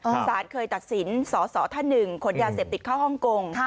อันนี้สารเคยตัดสินสสทหนึ่งขนยาเสพติดเข้าห้องกง